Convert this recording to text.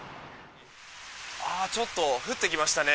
ちょっと降ってきましたね。